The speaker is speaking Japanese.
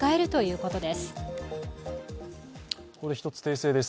ここで１つ訂正です。